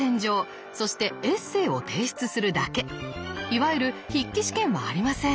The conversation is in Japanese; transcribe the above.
いわゆる筆記試験はありません。